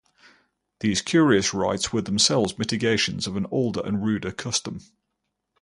These curious rites were themselves mitigations of an older and ruder custom.